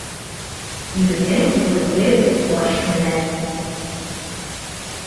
...Ирҙең күрке ҡаш менән.